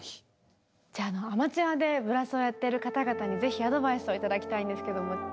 じゃあアマチュアでブラスをやってる方々にぜひアドバイスを頂きたいんですけども。